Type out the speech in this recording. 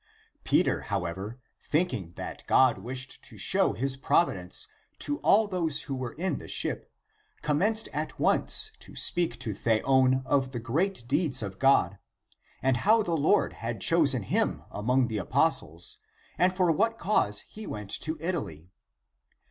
" Peter, however, thinking that God wished to show his providence to all those who were in the ship, commenced at once to speak to Theon of the great deeds of God, and how the Lord had chosen him among the apostles and for what cause he went to Italy.